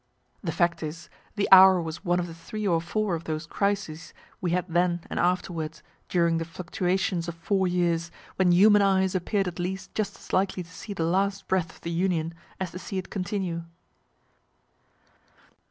(The fact is, the hour was one of the three or four of those crises we had then and afterward, during the fluctuations of four years, when human eyes appear'd at least just as likely to see the last breath of the Union as to see it continue.)